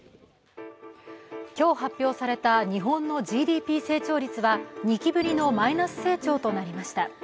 今日発表された日本のＧＤＰ成長率は２期ぶりのマイナス成長となりました。